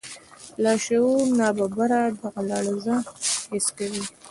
لاشعور ناببره دغه لړزه حس کوي.